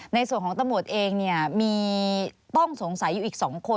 ในส่วนของตำรวจเองมีต้องสงสัยอยู่อีก๒คน